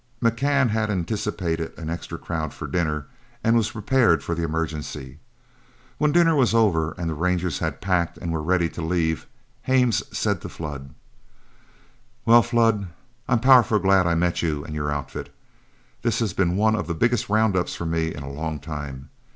McCann had anticipated an extra crowd for dinner and was prepared for the emergency. When dinner was over and the Rangers had packed and were ready to leave, Hames said to Flood, "Well, Flood, I'm powerful glad I met you and your outfit. This has been one of the biggest round ups for me in a long time.